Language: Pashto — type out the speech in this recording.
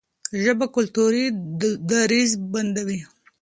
ژبه کلتوري درز بندوي.